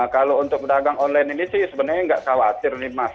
kalau untuk pedagang online ini sih sebenarnya nggak khawatir nih mas